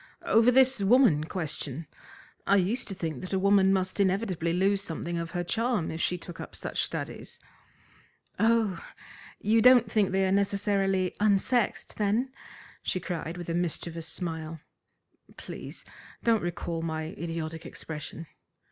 "Over this woman question. I used to think that a woman must inevitably lose something of her charm if she took up such studies." "Oh, you don't think they are necessarily unsexed, then?" she cried, with a mischievous smile. "Please don't recall my idiotic expression."